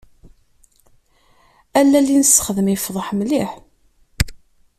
Allal i nessexdem yefḍeḥ mliḥ.